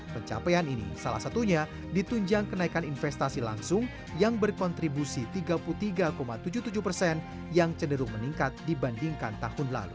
pencapaian ini salah satunya ditunjang kenaikan investasi langsung yang berkontribusi tiga puluh tiga tujuh puluh tujuh persen yang cenderung meningkat dibandingkan tahun lalu